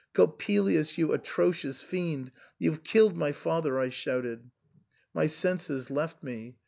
" Coppelius, yx)u atrocious fiend, you've killed my father," I shouted. My senses left me.